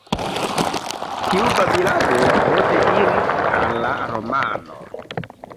Tiu babilado poste iris al la romano.